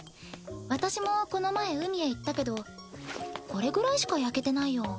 私もこの前海へ行ったけどこれぐらいしか焼けてないよ。